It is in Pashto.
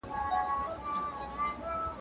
ما پخوا نارې وهلې نن ریشتیا ډوبه بېړۍ ده